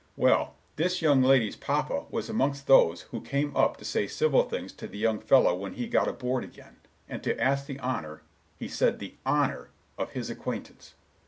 Well, this young lady's papa was amongst those who came up to say civil things to the young fellow when he got aboard again, and to ask the honor—he said the honor—of his acquaintance.